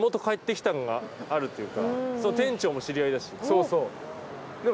そうそう。